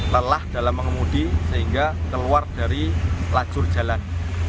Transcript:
lelah dalam mengemudi sehingga keluar dari lajur jalan